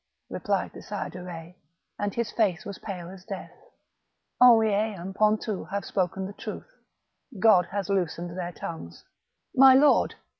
*' replied the Sire de Eetz; and his face was pale as death: "Henriet and Pontou have spoken the truth. God has loosened their tongues." " My lord